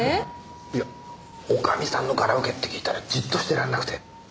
いや女将さんの柄受けって聞いたらじっとしてられなくて。